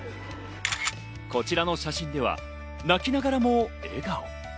こちらの写真には泣きながらも笑顔。